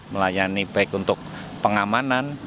melayani baik untuk pengamanan